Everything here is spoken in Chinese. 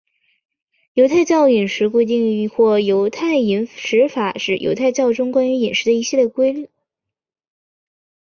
犹太教饮食规定或犹太饮食法是犹太教中关于饮食的一系列律。